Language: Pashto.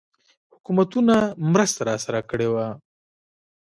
حکومتونو مرسته راسره کړې وه.